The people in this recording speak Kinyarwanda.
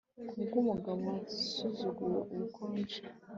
kubwumugabo wasuzuguye ubukonje